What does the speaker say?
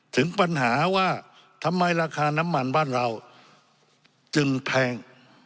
ถึงปัญหาว่าทำไมราคาน้ำมันบ้านเราจึงแพง